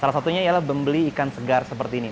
salah satunya ialah membeli ikan segar seperti ini